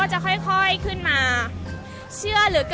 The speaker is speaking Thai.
อาจจะออกมาใช้สิทธิ์กันแล้วก็จะอยู่ยาวถึงในข้ามคืนนี้เลยนะคะ